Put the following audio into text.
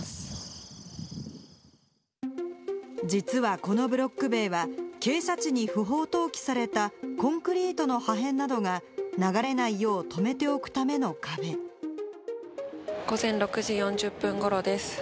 実はこのブロック塀は、傾斜地に不法投棄されたコンクリートの破片などが流れないようと午前６時４０分ごろです。